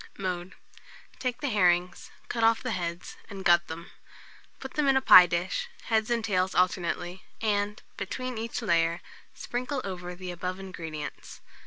Mode. Take the herrings, cut off the heads, and gut them. Put them in a pie dish, heads and tails alternately, and, between each layer, sprinkle over the above ingredients.